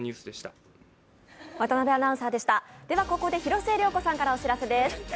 ここで広末涼子さんからお知らせです。